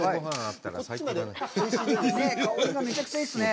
香りがめちゃくちゃいいですね。